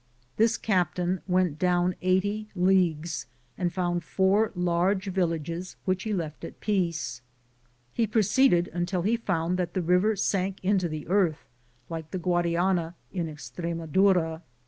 This captain went down. 80 leagues and found four large villages. which he left at peace. He proceeded until he found that the river sank into the earth, like the Guadiana in Estremadura.'